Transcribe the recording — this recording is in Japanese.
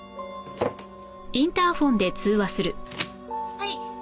はい。